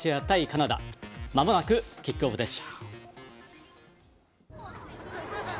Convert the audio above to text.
カナダまもなくキックオフです。